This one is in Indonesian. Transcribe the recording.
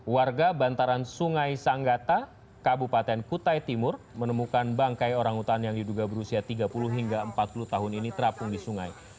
warga bantaran sungai sanggata kabupaten kutai timur menemukan bangkai orangutan yang diduga berusia tiga puluh hingga empat puluh tahun ini terapung di sungai